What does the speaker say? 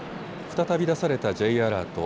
再び出されたＪアラート。